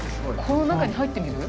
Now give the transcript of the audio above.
この中に入ってみる？